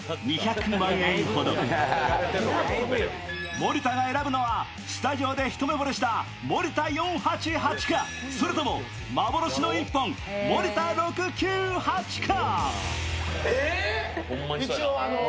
森田が選ぶのはスタジオで一目惚れした森田４８８か、それとも幻の１本、森田６９８か？